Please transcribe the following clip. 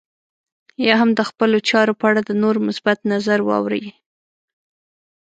يا هم د خپلو چارو په اړه د نورو مثبت نظر واورئ.